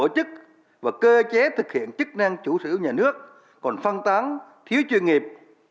các bộ ngành thực hiện chức năng chủ sử nhà nước còn phân tán thiếu chuyên nghiệp